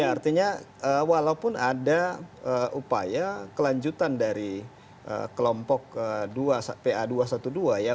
ya artinya walaupun ada upaya kelanjutan dari kelompok pa dua ratus dua belas ya